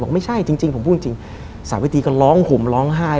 ไม่ใช่จริงผมพูดจริงสาวิตรีก็ร้องห่มร้องไห้